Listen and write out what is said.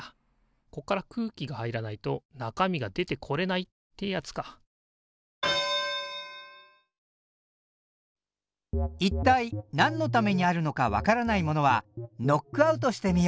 こっから空気が入らないと中身が出てこれないってやつか一体なんのためにあるのか分からないものはノックアウトしてみよう！